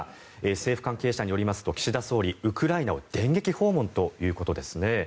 政府関係者によりますと岸田総理ウクライナを電撃訪問ということですね。